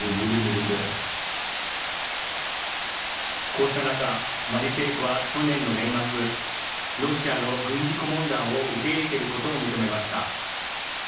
こうした中、マリ政府は去年の年末、ロシアの軍事顧問団を受け入れていることを認めました。